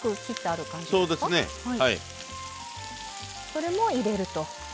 それも入れると。